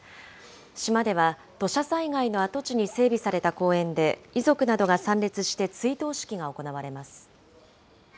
島では、土砂災害の跡地に整備された公園で、遺族などが参列して追悼式が行われます。